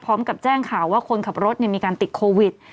พร้อมกับแจ้งข่าวว่าคนขับรถมีการติดโควิด